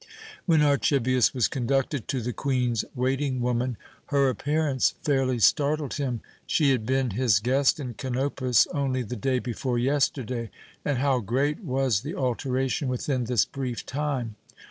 When Archibius was conducted to the Queen's waiting woman, her appearance fairly startled him. She had been his guest in Kanopus only the day before yesterday, and how great was the alteration within this brief time!